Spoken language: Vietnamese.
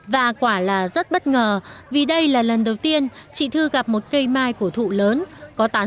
và quả là rất bất ngờ vì đây là lần đầu tiên chị thư gặp một cây mai cổ thụ lớn có tán